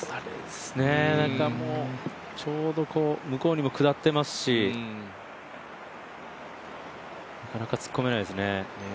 なんかもうちょうど向こうにも下ってますしなかなか突っ込めないですね。